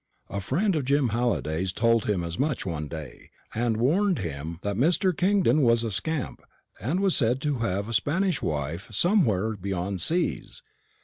A friend of Jim Halliday's told him as much one day, and warned him that Mr. Kingdon was a scamp, and was said to have a Spanish wife somewhere beyond seas.